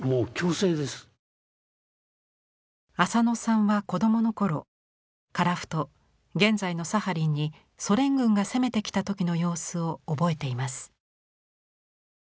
浅野さんは子どもの頃樺太現在のサハリンにソ連軍が攻めてきた時の様子を覚えています。